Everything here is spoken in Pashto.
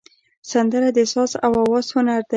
سندره د ساز او آواز هنر دی